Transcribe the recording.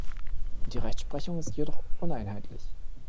Die Rechtsprechung ist jedoch uneinheitlich.